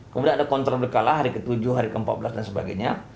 kemudian ada kontrol berkala hari ke tujuh hari ke empat belas dan sebagainya